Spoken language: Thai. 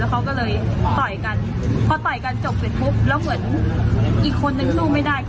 พอต่อยกันจบเสร็จทุบแล้วเหมือนอีกคนนึงสู้ไม่ได้